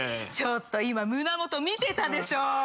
ちょっと今胸元見てたでしょ？